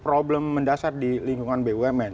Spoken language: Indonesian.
problem mendasar di lingkungan bumn